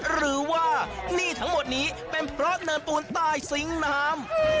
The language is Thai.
หรือว่านี่ทั้งหมดนี้เป็นเพราะเนินปูนใต้ซิงค์น้ำ